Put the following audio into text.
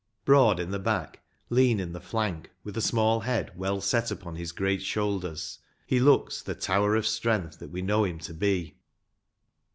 Broad in the back, lean in the flank, with a small head well set upon his great shoulders, he looks the tower of strength that we know him to be.